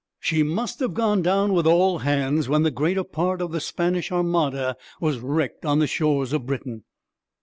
She must have gone down with all hands, when the greater part of the Spanish Armada was wrecked on the shores of Britain.